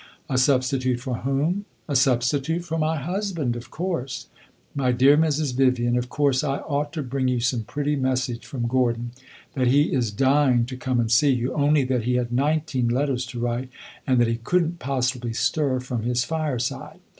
A substitute for whom? A substitute for my husband, of course. My dear Mrs. Vivian, of course I ought to bring you some pretty message from Gordon that he is dying to come and see you, only that he had nineteen letters to write and that he could n't possibly stir from his fireside.